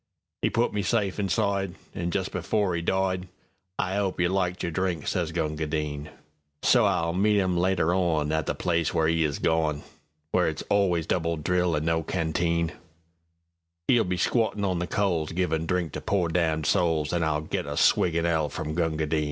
'E put me safe inside, An' just before 'e died:"I 'ope you liked your drink," sez Gunga Din.So I'll meet 'im later onIn the place where 'e is gone—Where it's always double drill and no canteen;'E'll be squattin' on the coalsGivin' drink to pore damned souls, An' I'll get a swig in Hell from Gunga Din!